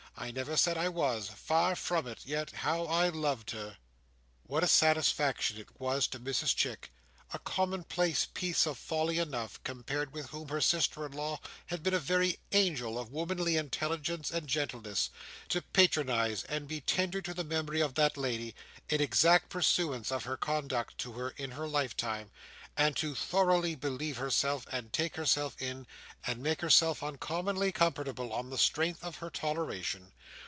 I never said I was. Far from it. Yet how I loved her!" What a satisfaction it was to Mrs Chick—a common place piece of folly enough, compared with whom her sister in law had been a very angel of womanly intelligence and gentleness—to patronise and be tender to the memory of that lady: in exact pursuance of her conduct to her in her lifetime: and to thoroughly believe herself, and take herself in, and make herself uncommonly comfortable on the strength of her toleration!